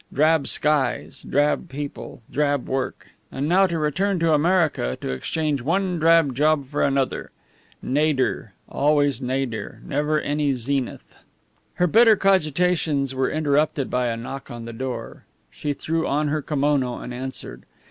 Drab skies, drab people, drab work! And now to return to America, to exchange one drab job for another! Nadir, always nadir, never any zenith! Her bitter cogitations were interrupted by a knock on the door. She threw on her kimono and answered.